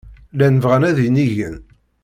Llan bɣan ad inigen.